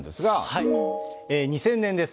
２０００年です。